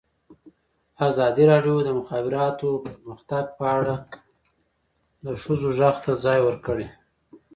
ازادي راډیو د د مخابراتو پرمختګ په اړه د ښځو غږ ته ځای ورکړی.